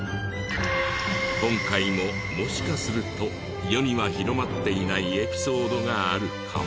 今回ももしかすると世には広まっていないエピソードがあるかも。